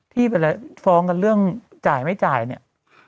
ที่ไปฟ้องกันเรื่องจ่ายไม่จ่ายเนี่ย